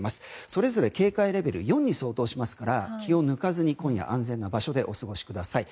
それぞれ警戒レベル４に相当しますから気を抜かずに今夜、安全な場所でお過ごしください。